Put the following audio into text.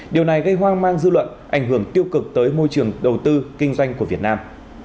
điều này gây hoang mang dư luận ảnh hưởng tiêu cực tới môi trường đầu tư kinh doanh của việt nam